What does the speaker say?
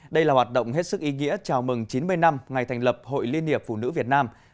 đây là hoạt động hết sức ý nghĩa chào mừng chín mươi năm ngày thành lập hội liên hiệp phụ nữ việt nam